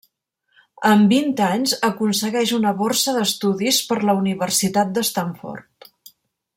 Amb vint anys, aconsegueix una borsa d'estudis per la Universitat de Stanford.